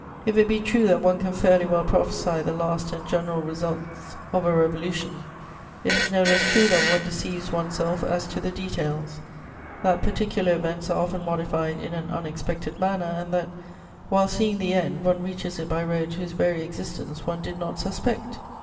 If it be true that one can fairly well prophesy the last and general results of a revolution, it is no less true that one deceives one's self as to the details, that particular events are often modified in an unexpected manner and that, while seeing the end, one reaches it by roads whose very existence one did not suspect.